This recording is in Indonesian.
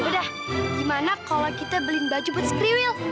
udah gimana kalau kita beliin baju buat spriwill